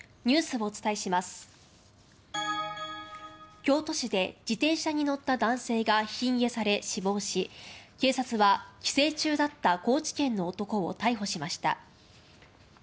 京都市で自転車に乗った男性がひき逃げされ死亡した事件で警察は、帰省中だった高知県の男を逮捕しました。